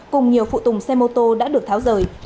cùng nhiều phụ tùng xe mô tô đã được tháo rời